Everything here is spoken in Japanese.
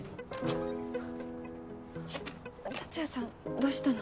達也さんどうしたの？